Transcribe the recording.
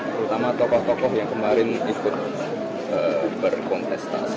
terutama tokoh tokoh yang kemarin ikut berkontestasi